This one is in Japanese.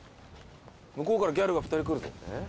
向こうからギャルが二人来るぞえっ？